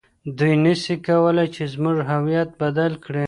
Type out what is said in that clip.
دوی نسي کولای چي زموږ هویت بدل کړي.